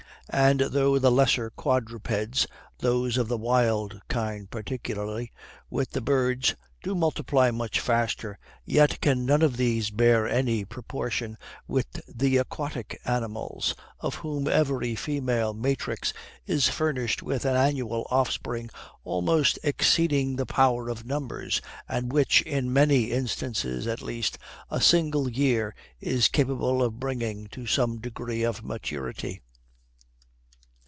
And though the lesser quadrupeds, those of the wild kind particularly, with the birds, do multiply much faster, yet can none of these bear any proportion with the aquatic animals, of whom every female matrix is furnished with an annual offspring almost exceeding the power of numbers, and which, in many instances at least, a single year is capable of bringing to some degree of maturity.